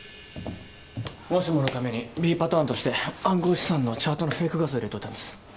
もしものためにＢパターンとして暗号資産のチャートのフェイク画像を入れといたんです。